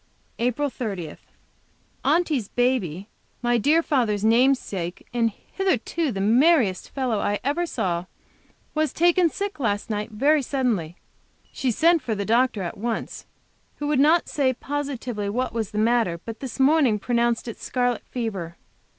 APRIL 30. Aunty's baby, my dear father's namesake, and hitherto the merriest little fellow I ever saw, was taken sick last night, very suddenly. She sent for the doctor at once, who would not say positively what was the matter, but this morning pronounced it scarlet fever.